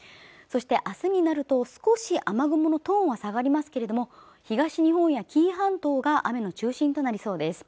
そして明日になると少し雨雲のトーンは下がりますけれども東日本や紀伊半島が雨の中心となりそうです